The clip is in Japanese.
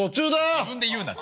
自分で言うな。